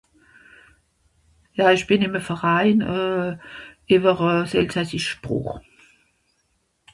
Ja ìch bìn ìme Verein, euh... ìwwer euh... s'elsassisch Sproch.